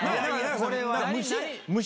これは虫？